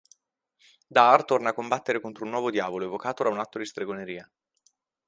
Dar torna a combattere contro un nuovo diavolo evocato da un atto di stregoneria.